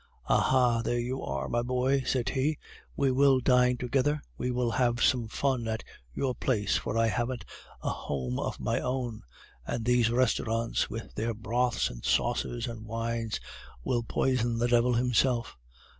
"'Aha! There you are, my boy!' said he. 'We will dine together. We will have some fun at your place, for I haven't a home of my own, and these restaurants, with their broths, and sauces, and wines, would poison the Devil himself.